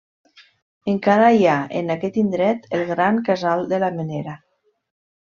Encara hi ha en aquest indret el gran casal de la Menera.